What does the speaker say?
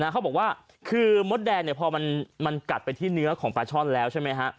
เขาบอกว่าคือมดแดงพอมันกัดไปที่เนื้อของปลาช่อนแล้วใช่ไหมฮะ